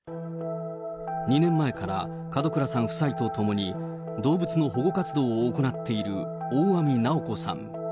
２年前から、門倉さん夫妻と共に動物の保護活動を行っている大網直子さん。